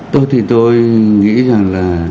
tôi thì tôi nghĩ rằng là